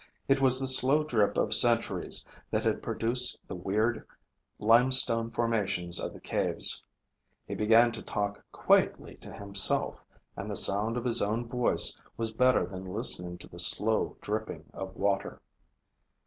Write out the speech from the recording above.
It was the slow drip of centuries that had produced the weird limestone formations of the caves. He began to talk quietly to himself, and the sound of his own voice was better than listening to the slow dripping of water.